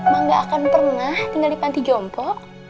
mak gak akan pernah tinggal di pantai jompo